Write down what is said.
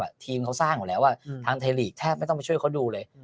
คือทีมเขาสร้างกันแล้วทางทีลีกแทบไม่ต้องช่วยเขาดูเลย